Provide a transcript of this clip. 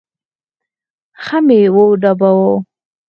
ښه مې وډباوه.